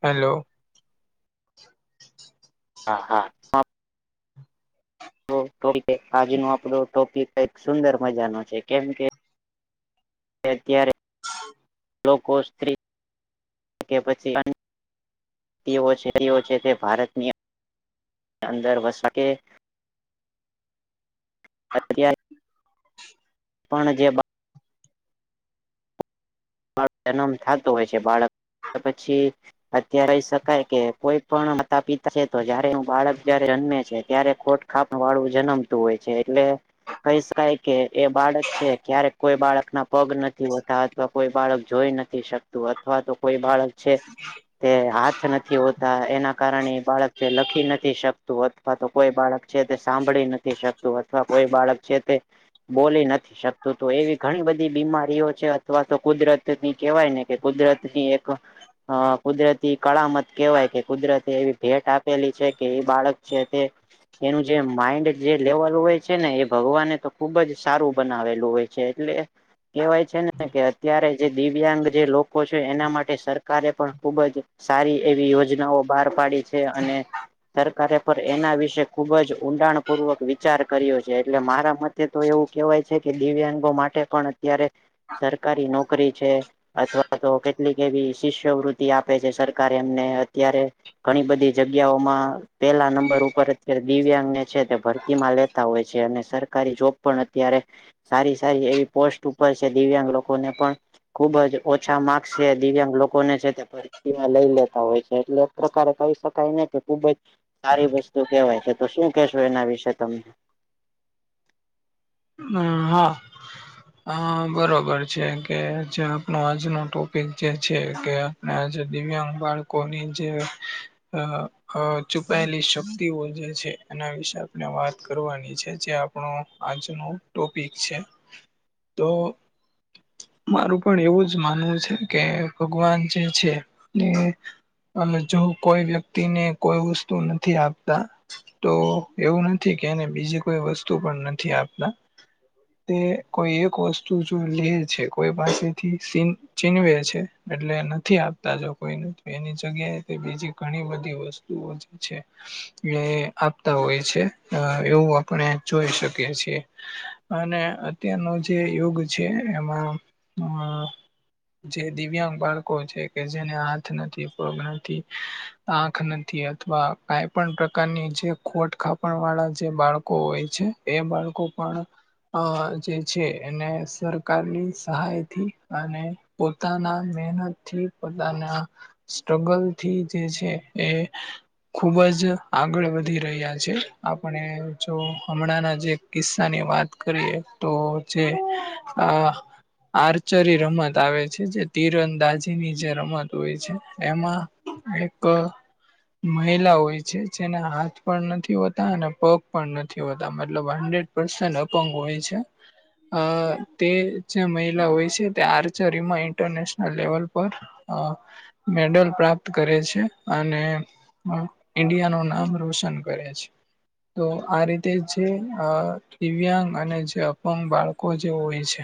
Hello. હા હા. આજનો આપડો ટોપિક કઈક સુંદર મજા નો છે, કેમ કે ત્યારે લોકો સ્ત્રી કે પછી [unintelligible] તેઓ છે તેઓ છે તે ભારતની અંદર વસી સકે. અત્યારે પણ જે જન્મ થતો હોય છે બાળક પછી અત્યારે કહી શકાય કે કોઈ પણ માતા પિતા છે તો જયારે એનુ બાળક જ્યારે જન્મે છે ત્યારે કોટ ખાત વાળું જન્મતું હોય છે એટલે કહી શકાય કે એ બાળક છે ક્યારેક કોઈ બાળક ના પગ નથી હોતા અથવા કોઈ બાળક જોઈ નથી શકતું અથવા તો કોઈ બાળક છે તે હાથ નથી હોતા એના કારણે એ બાળક જે લખી નથી શકતું. અથવા તો કોઈ બાળક છે તે સાંભળી નથી શકતું અથવા કોઈ બાળક છે તે બોલી નથી શકતું તો એવી ઘણી બધી બીમારીઓ છે અથવા તો કુદરત ની કેહેવાય ને કે કુદરત ની એક અ કુદરતી કળામત કેહેવાય કે કુદરતે એવી ભેટ આપેલી છે કે એ બાળક છે તે એનું જે માઈન્ડ જે લેવલ હોય છે ને એ ભગવાને તો ખુબ જ સારું બનાવેલું હોય. છે એટલે કેવાય છે ને કે અત્યારે જે દિવ્યાંગ જે લોકો છે એના માટે સરકારે પણ ખુબ જ સારી એવી યોજનાઓ બહાર પાડી છે અને સરકારે પણ એના વિશે ખુબ જ ઊંડાણ પૂર્વક વિચાર કર્યો છે એટલે મારા મત તે તો એવું કહેવાય છે કે દિવ્યાંગો માટે પણ અત્યારે સરકારી નોકરી છે. અથવા તો કેટલીક એવી શિષ્યવૃતિ આપે છે સરકાર એમને અત્યારે ઘણી બધી જગ્યાઓમાં પેલા નંબર ઉપર અત્યારે દિવ્યાંગને છે તે ભરતીમાં લેતા હોય છે. છે અને સરકારી જોબ પણ અત્યારે સારી સારી એવી પોસ્ટ ઉપર છે દિવ્યાંગ લોકો લોકો ને પણ ખુબ જ ઓછા માર્કસે દિવ્યાંગ લોકોને છે તે [unintelligible] લઈ લેતા હોય છે એટલે એક પ્રકારે કહી શકાય ને કે ખુબ જ સારી વસ્તુ કહેવાય છે તો શું કેશો એના વિશે તમે? હમ હા હા બરોબર છે કે જે આપનો આજનો ટોપિક જે છે કે જે દિવ્યાંગ બાળકોની જે અ ચુપાયેલી શક્તિઓ જે છે એના વિશે આપણે વાત કરવાની છે જે આપણો આજનો ટોપિક છે તો મારું પણ એવું જ માનવું છે કે ભગવાન જે છે ને અને જો કોઈ વ્યક્તિને કોઈ વસ્તુ નથી આપતા તો એવું નથી કે એને બીજી કોઈ વસ્તુ પણ નથી આપતા. તે કોઈ એક વસ્તુ જો લે છે કોઈ પાસેથી સીન છીનવે છે એટલે નથી આપતા જો કોઈને તેની જગ્યાએ તે બીજી ઘણી બધી વસ્તુઓ છે એ આપતા હોય છે એવું આપણે જોઈ શકીએ છીએ. અને અત્યારનો જે યુગ છે એમાં અ જે દિવ્યાંગ બાળકો છે કે જેને હાથ નથી, પગ નથી આાંખ નથી અથવા કઈ પણ પ્રકારની જે ખોટ ખાપણ વાળા જે બાળકો હોય છે. એ બાળકો પણ અ જે છે એને સરકારની સહાયથી અને પોતાના મહેનત થી પોતાના સ્ટ્રગલ થી જે છે એ ખુબ જ આગળ વધી રહ્યા છે. આપણે જો હમણાંના જે કિસ [unintelligible] ની વાત કરીએ તો જે આ આર્ચરી રમત આવે છે જે તીર અંદાજીની જે રમત હોય છે, એમાં એક તો મહિલા હોય છે જેના હાથ પણ નથી હોતા, અને પગ પણ નથી હોતા. મતલબ હંડ્રેડ [unintelligible] અપંગ હોય છે. અહ તે જે મહિલા હોય છે તે આર્ચરીમાં ઇન્ટરનેશનલ લેવલ પર અહ મેડલ પ્રાપ્ત કરે છે. અને ઈન્ડિયા નું નામ રોશન કરે છે. તો આ રીતે જે અહ દિવ્યાંગ અને જે અપંગ બાળકો જે હોય છે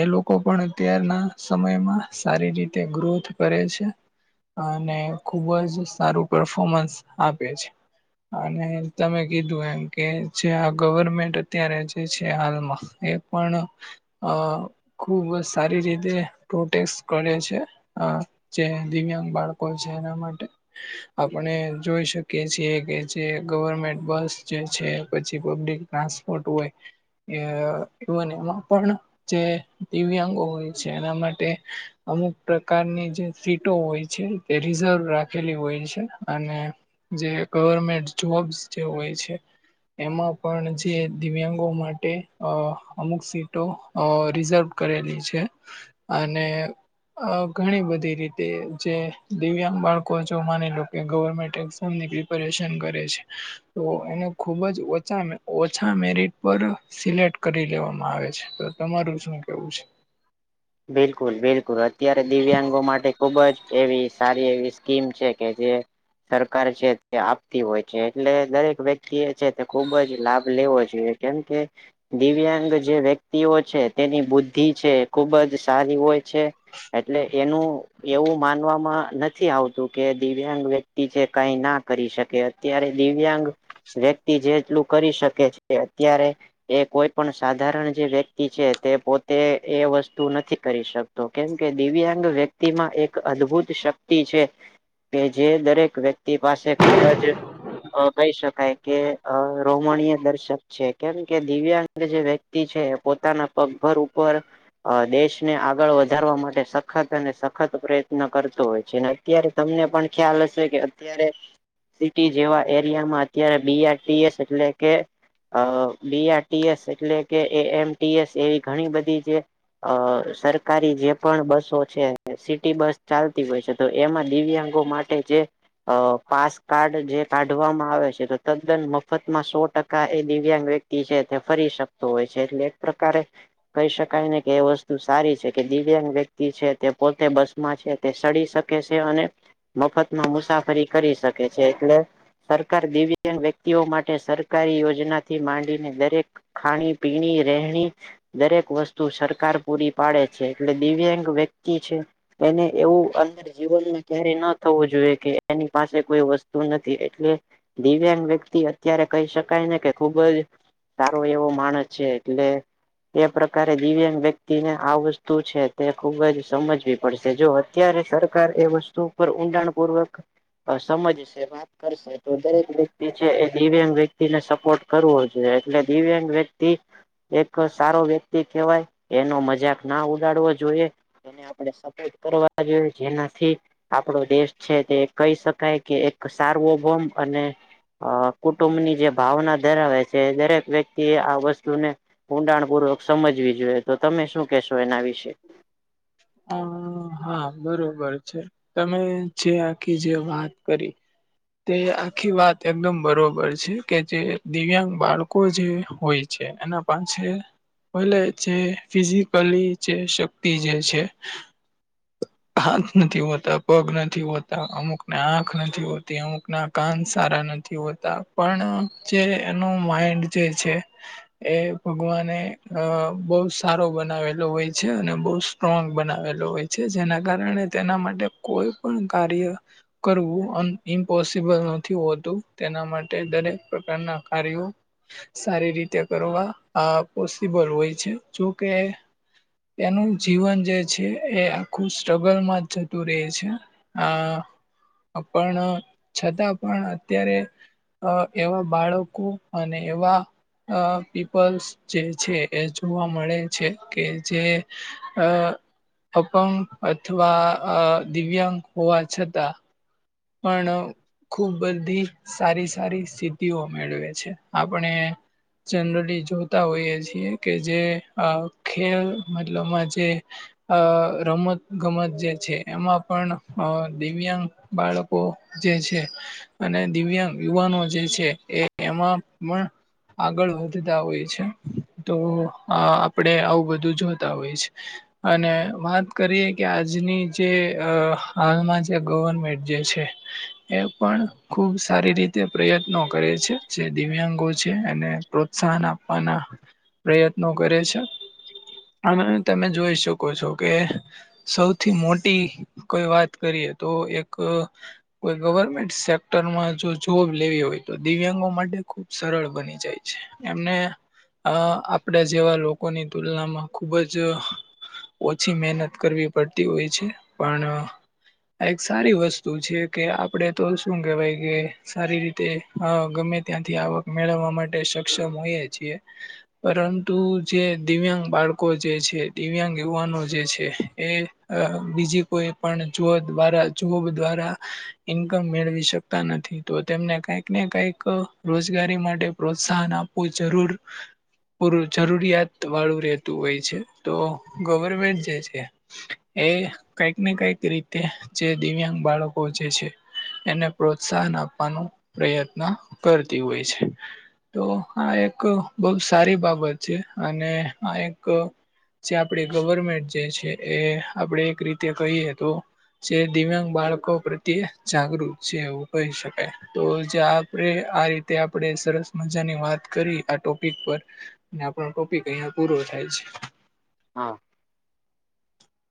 એ લોકો પણ અત્યારના સમયમાં સારી રીતે ગ્રોથ કરે છે. અને ખુબ જ સારું પરફોમન્સ આપે છે. અને તમે કીધું એમ કે જે આ ગવર્મેન્ટે અત્યારે જે છે હાલમાં એ પણ અ ખુબ જ સારી રીતે પ્રોટેસ્ટ કરે છે. આ જે દિવ્યાંગ બાળકો છે એના માટે આપણે જોઈ શકીએ છીએ કે જે ગવર્મેન્ટ બસ જે છે. પછી પબ્લિક ટ્રાન્સપોર્ટ હોય એ ઇવન એમાં પણ જે દિવ્યાંગો હોય છે એના માટે અમુક પ્રકારની જે સીટો હોય છે, તે રિઝર્વ રાખેલી હોય છે. અને જે ગવર્મેન્ટ જોબ્સ જે હોય છે એમાં પણ જ તે દિવ્યાંગો માટે અ અમુક સીટો અ રિઝર્વ કરેલી છે. અને અહ ઘણી બધી રીતે જે દિવ્યાંગ બાળકો જે માની લો કે ગવર્મેન્ટ એઝામ ની [unintelligible] પરેશાન કરે છે. તો એને ખુબ જ ઓછા મે ઓછા મેરિટ પર સિલેક્ટ કરી લેવામાં આવે છે. તો તમારું શું કેવું છે? [inaudible] બિલકુલ-બિલકુલ. અત્યારે દિવ્યાંગો માટે ખુબ જ એવી સારી એવી સ્કીમ છે કે જે સરકાર છે તે આપતી હોય છે. એટલે દરેક વ્યક્તિ એ છે તે ખુબ જ લાભ લેવો જોઈએ. કેમ કે દિવ્યાંગ જે વ્યક્તિઓ છે, તેની બુદ્ધિ છે એ ખુબ જ સારી હોય છે, એટલે એનું એવું માનવામાં નથ નથી આવતું કે દિવ્યાંગ વ્યક્તિ છે કાંઈ ના કરી શકે. અત્યારે દિવ્યાંગ વ્યક્તિ જેટલું કરી શકે છે અત્યારે એ કોઈ પણ સાધારણ જે વ્યક્તિ છે, તે પોતે એ વસ્ તું નથી કરી શકતો. કેમ કે દિવ્યાંગ વ્યક્તિ માં એક અદ્ભુત શક્તિ છે કે જે દરેક વ્યક્તિ પાસે ખૂબ જ અહ કહી શકાય કે અહ રોમણીય દર્શક છે, કેમ કે દિવ્યાંગ અને જે વ્યક્તિ છે પોતાના પગભર ઉપર અહ દેશને આગળ વધારવા માટે સખત અને સખત પ્રયત્ન કરતો હોય છે. અને અત્યારે તમને પણ ખ્યાલ હશે કે અત્યારે સિટી જેવા એરિયામાં અત્યારે બી આર ટી એસ એટલે કે અહ બી આર ટી એસ એટલે કે એ એમ ટી એસ એવી ઘણી બધી જે અહ સરકારી જે પણ બસો છે, સિટી બસ ચાલતી હોય છે, તો એમાં દિવ્યાંગો માટ એ જે અ પાસકાર્ડ જે કાઢવામાં આવે છે તો તદ્દન મફતમાં સો ટકા એ દિવ્યાંગ વ્યક્તિ છે તે ફરી શકતો હોય છે એટલે એક પ્રકારે કહી શકાય ને કે એ વસ્તુ સારી છે કે દિવ્યાંગ વ્યક્તિ છે તે પોતે બસમાં છે તે સડી શકે છે અને મફતમાં મુસાફરી કરી શકે છે એટલે સરકાર દિવ્યાંગ વ્યક્તિઓ માટે સરકારી યોજના થી માંડીને દરેક ખાણી, પીણી, રહેણી દરેક વસ્તુ સર કાર પૂરી પાડે છે એટલે દિવ્યાંગ વ્યક્તિ છે એને એવું અંદર જીવનને ક્યારે ન થવું જોઈએ કે એની પાસે કોઈ વસ્તુ નથી એટલે દિવ્યાંગ વ્યક્તિ અત્યારે કહી શકાય ને કે ખુબ જ તારો એવો માણસ છે એટલે એ પ્રકારે દિવ્યાંગ વ્યક્તિ વ્યતિને આ વસ્તુ છે તે ખુબ જ સમજવી પડશે જો અત્યારે સરકાર એ વસ્તુ ઊંડાણ પૂર્વક સમજશે વાત કરશે તો દરેક વ્યક્તિ છે એ દિવ્યાંગ વ્યક્તિને સપોર્ટ કરવો જોઈએ એટલે દિવ્યાંગ વ્યક્ત તે એક સારો વ્યક્તિ કહેવાય એનો મજાક ના ઉડાડવો જોઈએ. એ આપણે સપોર્ટ કરવા જોઈ જેનાથી આપડો દેશ છે તે કહી શકાય કે એક સારવોભોમ અને અ કુટુંબની જે ભાવના ધરાવે છે દરેક વ્યક્તિ આ વસ્તુને ઊંડાણ પૂર્વક સમજવી જોઈએ તો તમે શું કેશો એના વિશે? હા. હા બરોબર છે તમે જે આખી જે વાત કરી. તે આખી વાત એકદમ બરોબર છે કે જે દિવ્યાંગ બાળકો જે હોય છે એના પાસે [inaudible] ફિઝિકલી જે શક્તિ જે છે. હાથ નથી હોતા પગ નથી હોતા અમુકને આંખ નથી હોતી અમુક ના. કાન સારા નથી હોતા પણ જે એનો માઈન્ડ જે છે. એ ભગવાને અ બહુ સારો બનાવેલો હોય છે અને બહુ સ્ટ્રોંગ બનાવેલો હોય છે જેના કારણે તેના માટે કોઈ પણ કાર્ય. કરવું ઇમ્પોસિબલ નથી હોતું તેના માટે દરેક પ્રકારના કાર્યો સારી રીતે કરવા પોસિબલ હોય છે જોકે. એનું જીવન જે છે એ આખું સ્ટ્રગલમાં જ જતું રહે છે આ પણ છતાં પણ અત્યારે. અ એવા બાળકો અને એવા અ પીપલ્સ જે છે એ જોવા મળે છે કે જે અ. અપંગ અથવા દિવ્યાંગ હોવા છતાં. પણ. ખુબ બધી સારી સારી સ્થિત્ધિઓ મેળવે છે આપણે. જનરલી જોતા હોઈએ છીએ કે જે ખેલ મતલબમાં જે. અ રમત ગમત જે છે એમાં પણ દિવ્યાંગ બાળકો જે છે. અને દિવ્યાંગ યુવાનો જે છે એ એમાં પણ આગળ વધતા હોય છે. તો આ આપડે આવું બધું જોતા હોય છે. અને વાત કરીએ કે આજની જે હાલમાં જે ગવર્મેન્ટ જે છે. એ પણ ખુબ સારી રીતે પ્રયત્નો કરે છે જે દિવ્યાંગો છે એને. પ્રોત્સાહન આપવાના પ્રયત્નો કરે છે. અને તમે જોઈ શકો છો કે. સૌથી મોટી કોઈ વાત કરીએ તો એક કોઈ ગવર્મેન્ટ સેક્ટરમાં જો જોબ લેવી હોય તો દિવ્યાંગો માટે ખુબ સરળ બની જાય છે. એમને અ આપડા જેવા લોકોની તુલનામાં ખુબ જ. ઓછી મહેનત કરવી પડતી હોય છે પણ. સારી વસ્તુ છે કે આપડે તો શું કેહેવાય કે. સારી રીતે ગમે ત્યાંથી આવક મેળવવા માટે સક્ષમ હોયએ છીએ. પરંતુ જે દિવ્યાંગ બાળકો જે છે દિવ્યાંગ યુવાનો જે છે એ. અ બીજી કોઈ પણ જુઓ દ્વારા જુઓ દ્વારા. ઇન્કમ મેળવી શકતા નથી તો તેમને કઈક ને કઈક રોજગારી માટે પ્રોત્સાહન આપ. કો જરૂર. પૂરું જરૂરિયાત વાળું રહેતું હોય છે તો ગવર્મેન્ટ જે છે. એ કઈકને કઈક રીતે જે દિવ્યાંગ બાળકો જે છે. એને પ્રોત્સાહન આપવાનો પ્રયત્ન કરતી હોય છે. તો આ એક બહુ સારી બાબત છે અને આ એક. જે આપણે ગવર્મેન્ટ જે છે એ આપણેે એક રીતે કહીએ તો. જે દિવ્યાંગ બાળકો પ્રત્યે જાગૃત છે એવું કહી શકાય તો જે આપણે આ રીતે. તે આપણેે સરસ મજાની વાત કરી આ ટોપિક પર. ને આપણો ટોપિક અહિયાં પૂરો થાય છે. હા